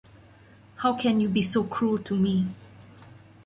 How can you be so cruel to me?